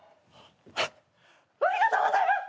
ありがとうございます！